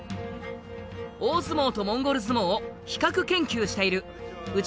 大相撲とモンゴル相撲を比較研究している内